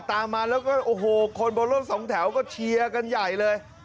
ตามมาแล้วก็โอ้โหคนบนรถสองแถวก็เชียร์กันใหญ่เลย